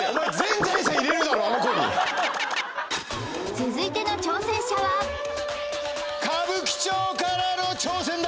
続いての挑戦者は歌舞伎町からの挑戦だ！